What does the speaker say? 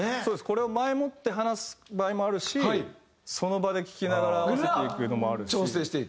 これを前もって話す場合もあるしその場で聴きながら合わせていくのもあるし。